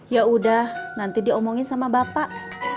ya udah nanti diomongin sama bapak